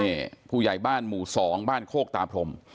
นี่ผู้ใหญ่บ้านหมู่๒บ้านโคกตาพรม